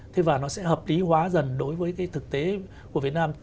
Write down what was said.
thế và nó sẽ hợp lý hóa dần đối với cái thực tế của việt nam